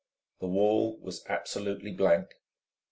The wall was absolutely blank.